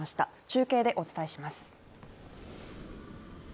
中継でお伝えします。